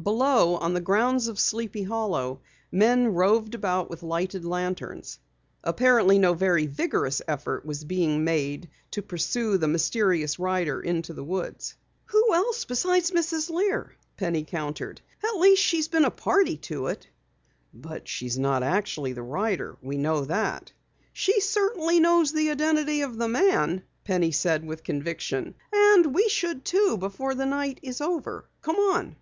Below, on the grounds of Sleepy Hollow, men roved about with lighted lanterns. Apparently no very vigorous effort was being made to pursue the mysterious rider into the woods. "Who else?" Penny countered. "At least she's been a party to it." "But she's not actually the rider. We know that." "She certainly knows the identity of the man," Penny said with conviction. "And we should too before the night's over. Come on!"